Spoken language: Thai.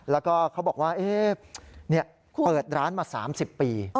แล้วก็เขาบอกว่าเปิดร้านมา๓๐ปี